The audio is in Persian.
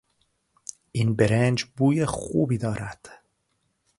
این برنج بوی خوبی دارد.